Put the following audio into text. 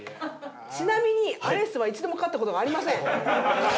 ちなみにアレスは一度も勝った事がありません。